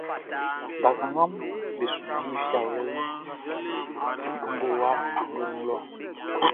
Bakannganʼm be su di fiawlɛʼn i ngowa awloʼn nun lɔ.